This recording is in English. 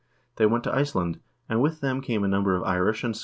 They went to Iceland, and with them came a number of Irish and ScotSif emigrants.